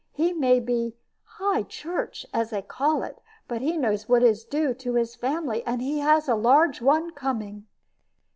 He may be 'High Church,' as they call it; but he knows what is due to his family, and he has a large one coming."